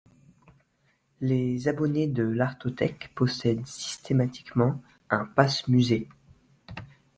Les abonnés de l’artothèque possèdent systématiquement un Passe-Musée.